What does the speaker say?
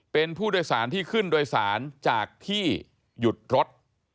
เป็นผู้โดยสารที่ขึ้นโดยสารจากที่หยุดรถ